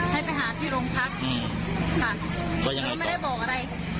ให้ไปหาที่โรงพักค่ะคือไม่ได้บอกอะไร